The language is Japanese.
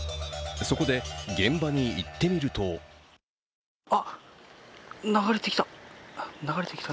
そこで現場に行ってみるとあっ、流れてきた、流れてきた。